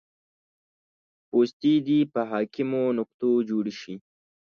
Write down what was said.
پوستې دې په حاکمو نقطو جوړې شي